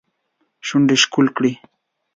شونډې ښکل کړي